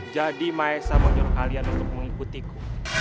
jadi maessa menyuruh kalian untuk mengikutiku